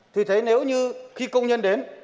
thì thấy nếu như khi công nhân đến